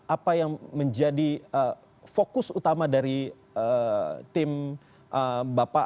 apa yang menjadi fokus utama dari tim bapak ataupun tim bapak